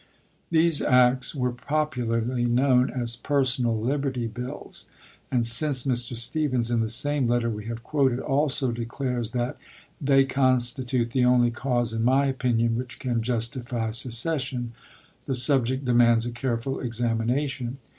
These acts were popularly known as " Personal Liberty Bills "; and since Mr. Stephens in the same letter we have quoted also declares that " they constitute the only cause in my opinion which can justify secession," the subject demands a careful examination.